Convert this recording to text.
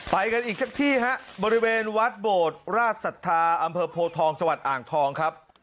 ไปกันอีกสักที่ฮะบริเวณวัดโบดราชศรัทธาอำเภอโพทองจังหวัดอ่างทองครับ